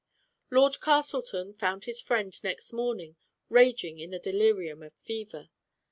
Lord Castleton found his friend, next morning, raging in the delirium of fever.